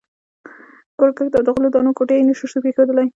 کور، کښت او د غلو دانو کوټې یې نه شوای پرېښودلای.